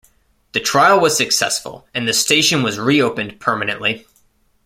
The trial was successful, and the station was reopened permanently.